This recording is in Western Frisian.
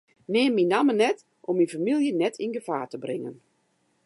Neam myn namme net om myn famylje net yn gefaar te bringen.